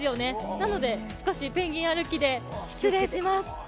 なので少しペンギン歩きで失礼します。